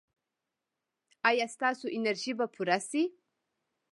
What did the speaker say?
ایا ستاسو انرژي به پوره شي؟